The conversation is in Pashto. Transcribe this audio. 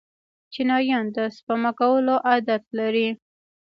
چینایان د سپما کولو عادت لري.